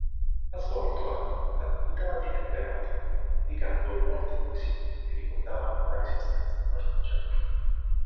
Ha svolto anche l'attività di letterato, pubblicando molte poesie che ricordavano la resistenza partigiana.